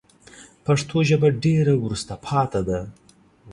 پښتو ژبه ډېره وروسته پاته ده